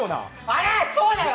ああ、そうだよ！